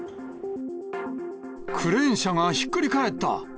クレーン車がひっくり返った。